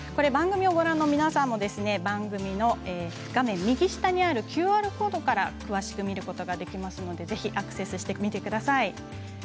番組をご覧の皆さんも番組の画面右下にあるＱＲコードから詳しく見ることができますのでぜひアクセスしてみてください。